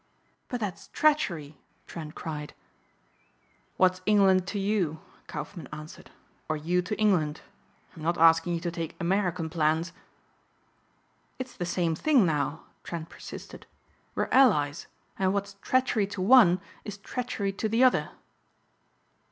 "But that's treachery!" Trent cried. "What's England to you," Kaufmann answered, "or you to England? I'm not asking you to take American plans." "It's the same thing now," Trent persisted. "We're allies and what's treachery to one is treachery to the other."